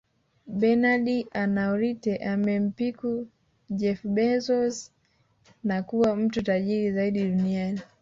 Bernard Arnault amempiku Jeff Bezos na kuwa mtu tajiri zaidi duniani